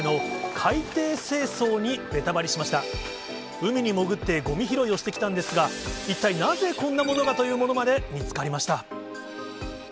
海に潜ってごみ拾いをしてきたんですが、一体なぜこんなものがというものまで見つかりました。